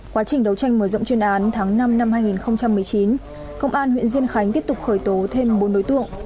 quá trình đấu tranh mở rộng chuyên án tháng năm năm hai nghìn một mươi chín công an huyện diên khánh tiếp tục khởi tố thêm bốn đối tượng